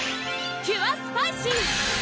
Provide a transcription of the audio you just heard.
キュアスパイシー！